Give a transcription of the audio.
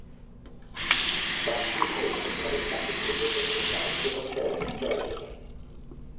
বাফি অনিচ্ছুকভাবে তাকে খুঁজে পেতে সাহায্য করতে রাজি হয়।